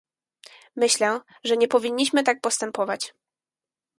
Myślę, że nie powinniśmy tak postępować